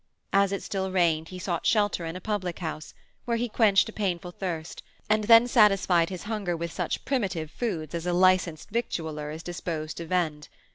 As it still rained he sought shelter in a public house, where he quenched a painful thirst, and then satisfied his hunger with such primitive foods as a licensed victualler is disposed to vend.